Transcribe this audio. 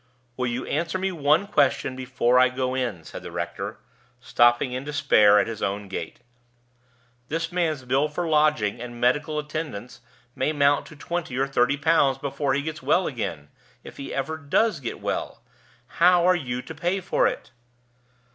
"Will you answer me one question before I go in?" said the rector, stopping in despair at his own gate. "This man's bill for lodging and medical attendance may mount to twenty or thirty pounds before he gets well again, if he ever does get well. How are you to pay for it?"